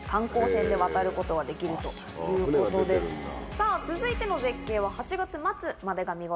さぁ続いての絶景は８月末までが見頃です。